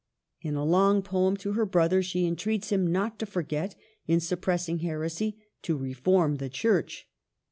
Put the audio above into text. In a long poem to her brother she entreats him not to forget, in suppressing heresy, to reform the Church.